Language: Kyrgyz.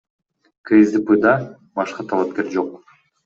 КСДПда башка талапкер жок.